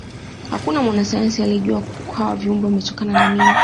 hakuna mwanasayansi aliejua hawa viumbe wametokana na nini